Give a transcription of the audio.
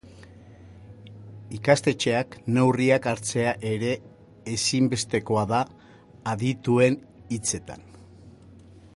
Ikastetxeak neurriak hartzea ere ezinbestekoa da, adituen hitzetan.